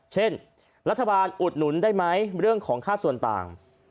เช่นรัฐบาลอุดหนุนได้ไหมเรื่องของค่าส่วนต่าง